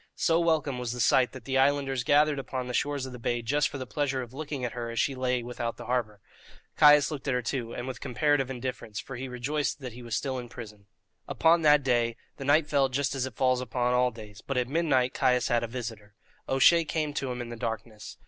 So welcome was the sight that the islanders gathered upon the shores of the bay just for the pleasure of looking at her as she lay without the harbour. Caius looked at her, too, and with comparative indifference, for he rejoiced that he was still in prison. Upon that day the night fell just as it falls upon all days; but at midnight Caius had a visitor. O'Shea came to him in the darkness.